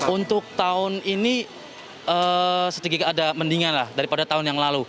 untuk tahun ini sedikit ada mendingan lah daripada tahun yang lalu